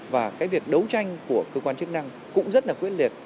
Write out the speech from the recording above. và cái việc đấu tranh của cơ quan chức năng cũng rất là quyết liệt